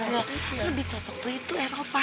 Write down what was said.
lebih cocok tuh itu eropa